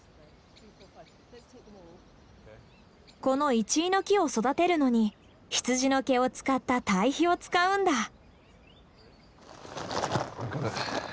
このイチイの木を育てるのに羊の毛を使った堆肥を使うんだ。